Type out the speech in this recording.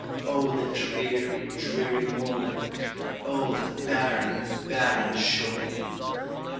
O the dreary, dreary moorland! O the barren, barren shore!